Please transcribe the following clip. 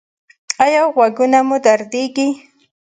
ایا غوږونه مو دردیږي؟